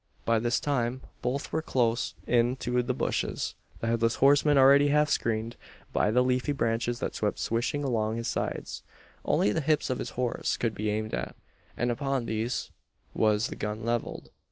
By this time both were close in to the bushes the Headless Horseman already half screened by the leafy branches that swept swishing along his sides. Only the hips of his horse could be aimed at; and upon these was the gun levelled.